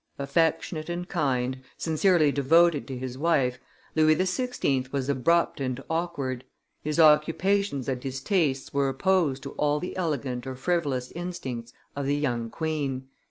Affectionate and kind, sincerely devoted to his wife, Louis XVI. was abrupt and awkward; his occupations and his tastes were opposed to all the elegant or frivolous instincts of the young queen.